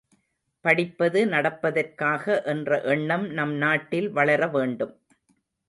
படிப்பது நடப்பதற்காக என்ற எண்ணம் நம் நாட்டில் வளர வேண்டும்!